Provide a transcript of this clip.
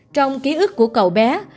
trong ký ức của cậu bé mẹ nhớ rằng